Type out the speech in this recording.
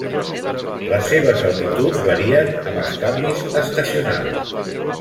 Les seves altituds varien amb els canvis estacionals.